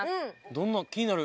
どんな気になる。